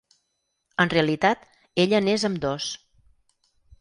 En realitat, ella n'és ambdós.